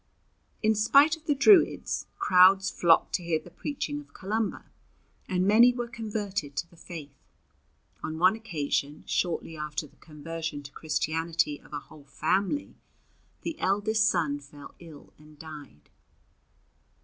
In spite of the Druids, crowds flocked to hear the preaching of Columba, and many were converted to the faith. On one occasion, shortly after the conversion to Christianity of a whole family, the eldest son fell ill and died.